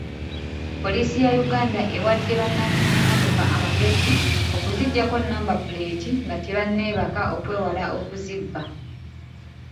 Poliisi ya Uganda ewadde bannanyini mmotoka amagezi okuzijjako namba puleti nga tebanneebaka okwewala okuzibba.